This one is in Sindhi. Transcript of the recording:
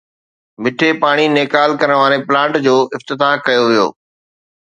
مٺي پاڻي نيڪال ڪرڻ واري پلانٽ جو افتتاح ڪيو ويو